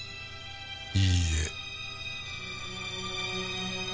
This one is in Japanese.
いいえ。